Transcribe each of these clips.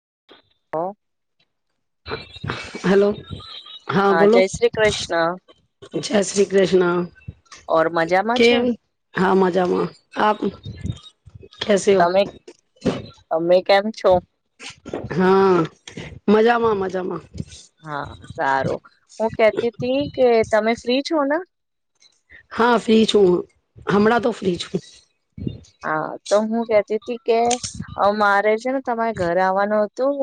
[unintelligible] હ. હલો. હા બોલો જય શ્રી કૃષ્ણ જય શ્રી કૃષ્ણ. ઓર મજામાં છો કેમ હા માજામાં આપ. કેસે હો તમે અમે. કેમ છો? હા મજામાં મજામાં. હા સારું હું કેતીતી કે તમે ફ્રી. છો ના. હા ફ્રી છું હમણાં તો ફ્રી છું. હા. તો હું કતી હતી કે હ મારે છે ને તમારે ઘર આવવાનું હતું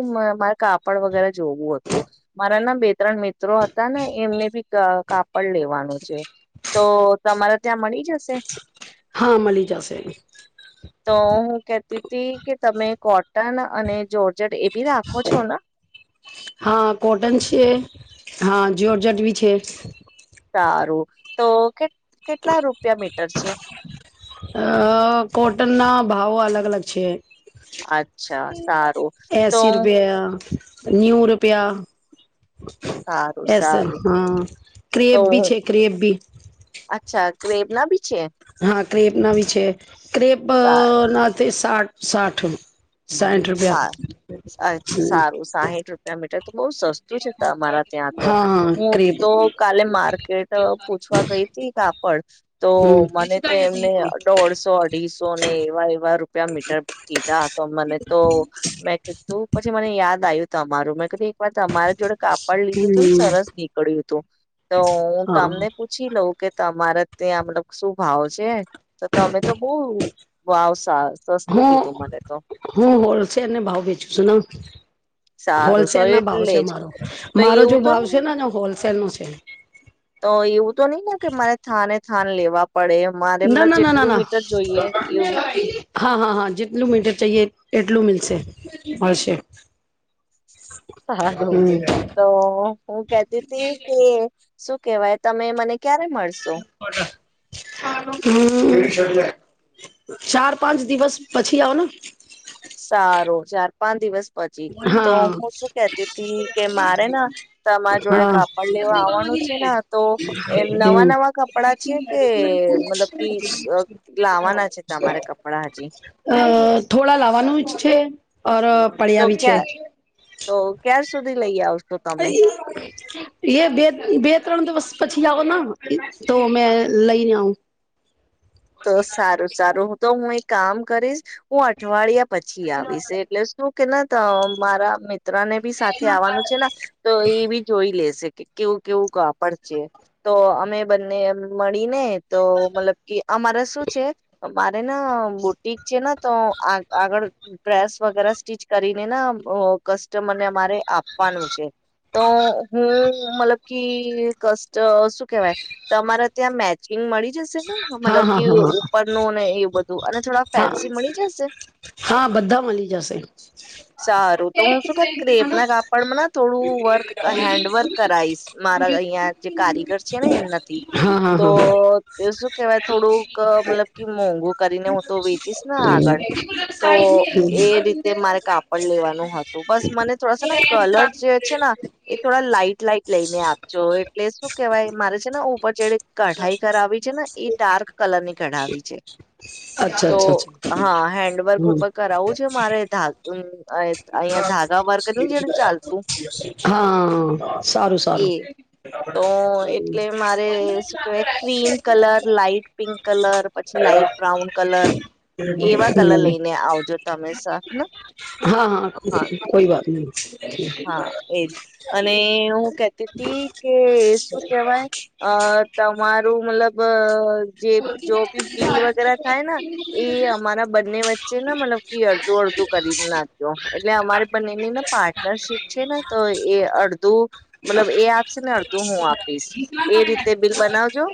મારે કાપડ વગેરે જોવું હતું મારા ના બે ત્રણ મિત્રો હતા ને એમને બી કાપડ લેવાનું છે તો તમારે ત્યાં મળી જશે. હા મળી જશે. તો હું કેતી હતી કે તમે કોટન અને જોર્જટ એ બી રાખો છો ને હા કોટન છે. હા, જ્યોર્જટ બી છે. સારું, તો કે કેટલા રૂપિયા મીટ પછી આ કોટનના ભાવો અલગ અલગ છે. અચ્છા, સારું તો એસી રૂપિયા નેવું રૂપિયા. સારું એસ સારું હા તો ક્રિએબ છે ક્રિએબ બી. અચ્છા, ક્રેબના બી છે. હા, ક્રેપના બી છે. સારું ક્રેપના તે સાઠ સાઠ સાઠ રૂપિયા અચ્છા, સારું. સાહીઠ રૂપિયા મીટર. તો બઉ સસ્તું છે તમારા ત્યાં. તો હા હા હું ક્રેપ તો કાલે માર્કેટ પૂછવા ગઈ હતી. કાપડ તો હમ મને તો એમને દોઢસો, અઢીસો ને એવા એવા રૂપિયા મીટર કીધા, તો મને મે કીધું, પછી મને યાદ આવ્યું તમારું, મેં કીધું પણ તમારી જોડે કાપડ લીધું હતું ને, સરસ નીકળ્યું હતું. તો હું હા તમને પૂછી લઉં કે તમારે ત્યાં, મતલબ શું ભાવ છે? તો તમે તો બહુ વાવ, સસ્તું કીધું મને તો. હોલસેલને ભાવ વેચું છું. સારું સો હોલસેલ ના ભાવ એટલે છે જ મારો તો મારો જો એવું તો ભાવ નહી છે ને, હોલસેલ નો છે. હ. તો એવું તો નઈ ને, કે માને થા ને? સ્થાન લેવા. પડે. મારે ના એમને ના ના ના જેટલું ના મીટર જોઈએ, એવું હા, હા, હા. જેટલું મીટર ચઈએ, એટલું મલશે મળશે. સારું, હમ તો હું કેતી હતી કે શું કેવાય, તમે મને ક્યારે મળશો? હમ. ચાર- પાંચ દિવસ પછી આવને. સારું. ચાર- પાંચ દિવસ પછી તો હા હું શું કેતી હતી કે, મારે તમારા જોડે હા કાપડ લેવા આવવાનું છે ને. તો એ નવા હમ નવા કપડા છે કે? મતલબ કે, લાવવાના છે તમારે કપડા હજી? અ થોડા લાવવાનું જ છે, ઓર પડી તો આવી છે. ક્યાં તો ક્યાર સુધી લઈ આવશો તમે એ બે બે ત્રણ દિવસ પછી પછી આવો, ના તો મેં લઈને આવઉ. તો સારું સારું તો હું એક કામ કરીશ હું અઠવાડિયા પછી આવીશે એટલે શું કે ના મારા મિત્ર ને બી સાથે આવવાનું છે ને તો એ બી જોઈ લેશે. કેવું કેવું કાપડ છે તો અમે બંને મળીને તો મતલબ કે અમારે શું છે મારે ના બોટિક છેને તો આગળ પ્રસ વગે સ્ટીચ કરીને ના કસ્ટમર ને અમારે આપવાનું છે તો હું મતલબ કે કષ્ટ. શું કેવાય તમારે ત્યાં મેચ. જિમ મળી. જશે હા હા તો [unintelligible] હા હા ઉપરનું ને એવું બધું અને થોડા હા ફેન્સી મળી જશે હા બધા મળી જશે સારું તો હું શું કે ક્રેપ ના કાપડમાં થોડું વર્ક હેન્ડ વર્ક કરાઈશ મારા અહિયાં જે કારીગર છે ને એમનાથી હા હા તો. હા. તો શું કેહેવાય. [inaudible] મતલબ કે મોગ કરીને હું તો વેચીશ ને આગળ તો એ રીતે મારે કાપડ લેવાનું હતું બસ મને થોડાસા ને કલર જે છે ને એ થોડા લાઈટ લાઈટ. લઈને આપજો એટલે શું કેવાય મારે છે ને ઓ [inaudible] કઢાઈ કરાવી છે ને એ ડાર્ક કલરની કઢાવી છે અચ્છા તો અચ્છા અચ્છા હા હેન્ડવર્ક હમ ઉપર કરાવવું છે મારે ધાત અમ હા સારું એ સારું. તો એટલે લાાઈટ પિંક કલર પછી લાાઈટ બ્રાઉન કલર એવા કલર હમ. લઈને આવજો તમે સ હેન હા હા કોઈ કોઈ વાત નહી. હા એજ અને હું કેતી હતી કે શું કેહેવાય અ તમારું મતલબ જે જો બી બિલ વગેરા થાય ને એ અમારા બંને વચ્ચે ને મતલબ કે અડધું અડધું કરી નાખ્યો એટલે અમારે બંનેને પારઠ શિપ છે ને તો એ અડધું મતલબ એ આપશે ને અડધું હું આપીશ એ રીતે બિલ બનાવજો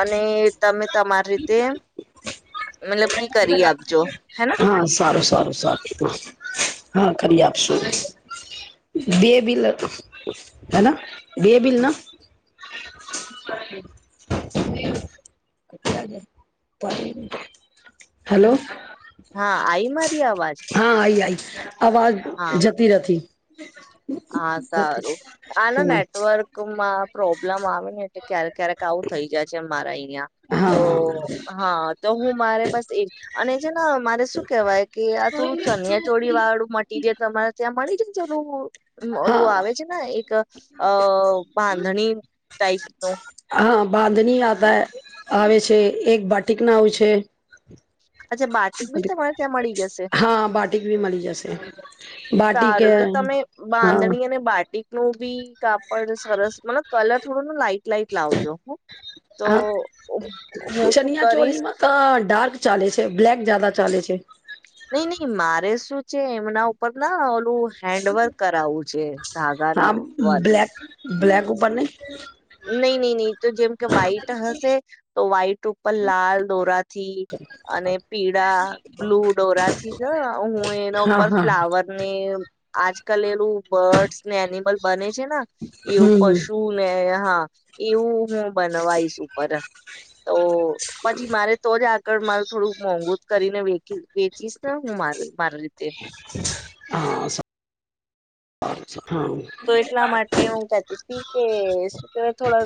અને તમે તમારી રીતે મતલબ કે કરીએ આપ જો હેના. હા સારું સારું સારું હા કરી આપશું બે બિલ હે બે બિલ ના. [inaudible] હલો. હા આઈ મારી અવાજ હા આઈ આઈ આવાજ હા જતી નથી. [inaudible] હા જતી સારું આના હમ નેટવર્કમાં પ્રોબ્લેમ આવે ને એટલે ક્યારેક ક્યારેક આવું થઇ જાય છે મારે તો હા હા તો હું મારે બસ એ અને છે ને મારે શું કેહેવાય કે આ થોડું ચણિયા ચોળી વાળું મટીરિયલ તમારે ત્યાં મળી જશે [inaudible] ઓલું હા આવે છે ને એક અ બાંધણી ટાઈપ નુ હા બાધણી આતા હૈ. આવે છે એક બાટીક નાવું છે. અચ્છા બાટીક બી તમારે ત્યાં મળી જશે હા બાટિક બી મળી જશે બાટિક અ, સારું તો તમે હા બાંધણી અને બાટીક નું વીક કાપડ સરસ મતલબ કલર થોડો લાઈટ લાઈટ જ લાવજો હો તો હા હું શું ચનિયા કરીશ. ચોલીમાં તો ડાર્ક ચાલે છે બ્લેક જયાદા ચાલે છે. નઈ નઈ મારે શું છે એમના ઉપર ના નુ હેન્ડવર્ક કરાવવું છે ધાગા ના હા વર્ક બ્લેક [unintelligible] નઈ નઈ નઈ તો જેમ કે વ્હાઈટ હશે તો વ્હાઈટ ઉપર લાલ દોરાથી અને પીળા બ્લુ દોરા થી જ હું એના હા ઉપર હા ફ્લાવર ને આજકાલ એલું બર્ડસ ને એનિમલ બને. છેના એવું હમ હમ પશુ ને હા એવું બનવાઈશ ઉપર તો પછી મારે તો જ [inaudible] મારૂ થોડુંક મોંઘુ કરીને વેકી ચીસ ના હું માર માર રીતે હા સારું [inaudible] તો એટલા માટે હું કેતી હતી કે શું કહેય થોડા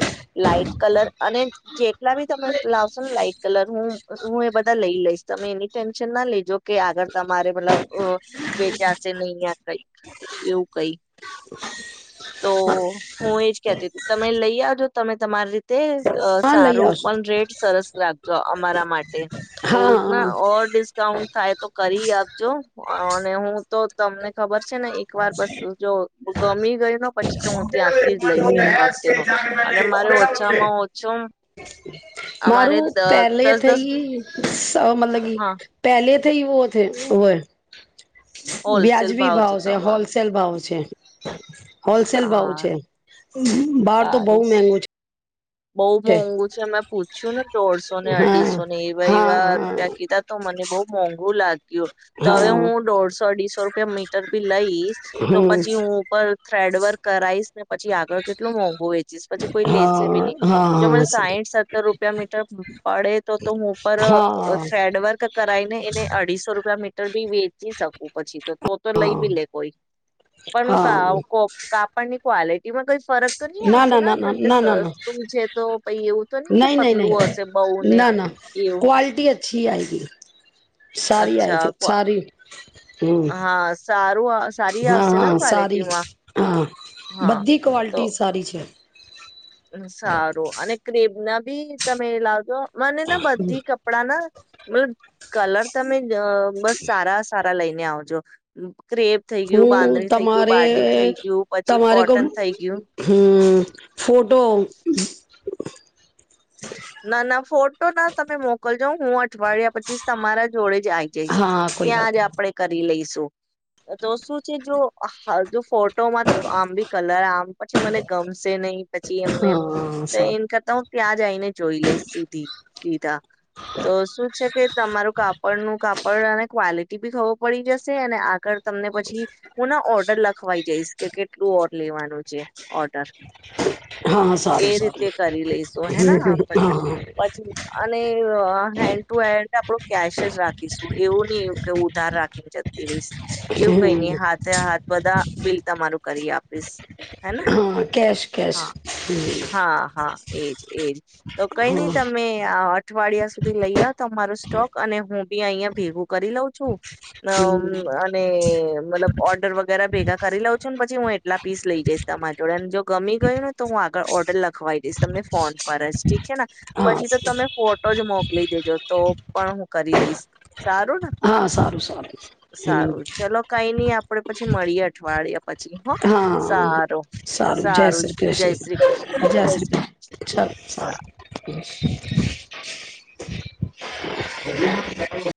લાઈટ કલર અને જે [unintelligible] ભી તમે લાવશો ને લાઈટ કલર હું હું એ બધા લઈ લઈશ તમે એની ટેન્શન ના લેજો કે આગળ તમારે મતલબ વેચાશે નહીં કઈક એવું કઈ તો હું એજ કેતી તું તમે લઈ આવજો તમે તમારી રીતે તે હા હા લઈ સારું આવશો પણ રેટ સરસ રાખજો અમારા માટે હા થોડુંક ના હા ઓર ડિસ્કાઉન્ટ થાય તો કરી આપજો અને હું તો તમને ખબર છે ને એક વાર બસ જો ગમી ગઈ. ન અને મારે ઓછામાં ઓછો અમારે મારું દ પેલે દસ દસ થઈ મતલબ હા પ [unintelligible] લે થ વ થ હ [unintelligible] વ્યાજબી ભાવ છે હોલસેલ ભાવ છે. હોલસેલ બાવ હા છે બહાર તો બહુ મેગું છે. બઉુ મોંઘુ છે મેં પૂછ શુંન દોળસો ને હા અઢીસો ને એવા એવા હા રૂપિયા કીધા તો મને બઉુ મોંઘા ભોલા. તો હા હવે હું દોઢસો અઢીસો રૂપિયા મીટર ભી લઈશ તો હમ પછી હું ઉપર થ્રેડ વર્ક કરાઈશ. પછી આગળ કેટલું મોંઘું હો છે. જસ પછી કોઈ લેસે હા ભી ન જો મને હા સાઈઠ સત્તર રૂપિયા મીટર પડે તો તો હું ઉપર હા થ્રેડ વર્ક કરાઈ ને એને અઢીસો રૂપ મીટર બી વેચી શકું પછી તો તો તો લઈ હા બી લે કોઈ પણ હા કાપડની ક્વલિટી એમાં કઈ ફરક તો નહી ના ના આવશે ના નેને ના એમ કે ના ના સર ના તું છે તો પ એવું તો નઈ કે નહીં નહીં નહીં પતલું હશે બઉુને ના ના એવું. ક્વલિટી અચ્છી સારી આવી અચ્છા છે સારી હમ. સાર હા હા સારી હા હા બધી ક્વલિટી સારી છે. સારો અને નબી સમમેય લાવજો. મને ના બધી કપડા ના મતલબ કલર તમે અ બસ સારા સારા. લઈને આવજો. ક્રેપ થઈ ગયું હું બાંદણી થઈ ગયું તમારે બાટક થઈ ગયું પછી કોટન થઈ ગયું. હ [unintelligible] ફોટો [inaudible] ના ના ફોટો ના તમે મોકલજો હું. અઠવાડિયા પછી તમારા જોડે જ આઈ જઈશ હા કોઈ વાત ત્યાંજ આપડણે કરી લઈશું. તો શું છે જો હ જો ફટ. ોટોમાં તો આમ બી કલર આમ પછી મને ગમશે નહી પછી એમને હા તો સારું એને કરતા હ. પ્યા. જઈને જોઈ લે સીધી સીધા. તો શું છે કે તમારું કાપડ નું કાપડ અને ક્વલિટી. ી ખબર પડી જશે અને આગળ. તમને પછી હું ના ઓર્ડર લખવાઈ જઈશ કે કેટલું ઓ. લેવાનું છે. ઓડર હા એ સારું સારું રીતે કરી લઈશ. હેના આપડે હા પછી અને હેન્ડ ટુ હેન્ડ. આપડો કેશ જ રાખે. શું એવું નહી. કે ઉધાર રાખીને છે તવીસ. એવું કઈ નહી હમ હાથે હાથ બધા બિલ તમારું. કરી આપીશ. હેને હા કેશ કેશ હા હ. હા હા એજ એજ તો કઈ નની તમે આ અઠવાડિયા સુધી લઈ આવ. તમાર સ્ટોક અને હું બી અહિયાં ભેગું કરી લઉં છું. અ હમ અને મતલબ ઓર્ડર વગેરે ભેગા કરી લઉં છું ને પછી હું. કેટલા પીસ લઈ જઈશ તમા જોડે અને જો ગમી ગયું ને તો હું આગળ ઓર્ડર લખવા દઈશ. તમને ફોન પર જ ઠીક. છે ને હા પછી તો તમે ફોટો જ મોકલી દેજો તો. પણ હું કરી દઈશ. સારું ને હા સારું સારું સારું હમ ચલો કઈ નહી આપ. આપડે પછી મળીએ અઠવાડિયે. પછી હ સારું હા જય સારું જય શ્રી કૃષ્ણ જય શ્રીષ્ણ. અચ્છા ચા. [inaudible] હ [unintelligible]